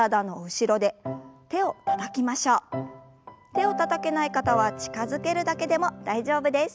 手をたたけない方は近づけるだけでも大丈夫です。